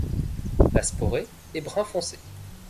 La sporée est brun foncé.